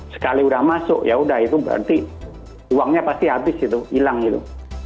sekali udah masuk yaudah itu berarti uangnya pasti habis gitu hilang gitu